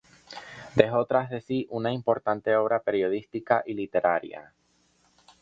Dejó tras de sí una importante obra periodística y literaria.